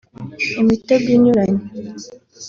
imitego inyuranye